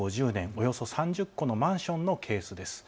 およそ３０戸のマンションのケースです。